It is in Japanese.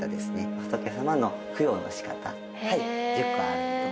仏様の供養のしかた１０個書かれております。